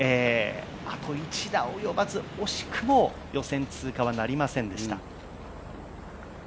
あと１打に及ばず惜しくも予選通過になりませんでした。